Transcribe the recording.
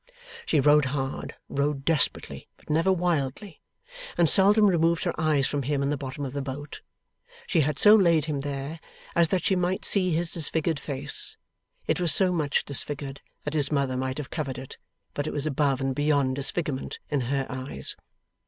She rowed hard rowed desperately, but never wildly and seldom removed her eyes from him in the bottom of the boat. She had so laid him there, as that she might see his disfigured face; it was so much disfigured that his mother might have covered it, but it was above and beyond disfigurement in her eyes.